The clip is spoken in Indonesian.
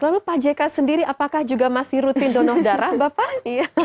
lalu pak jk sendiri apakah juga masih rutin donor darah bapak